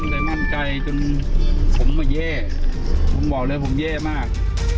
แต่มั่นใจจนผมมันแย่ลุงบอกเลยว่าผมแย่มาก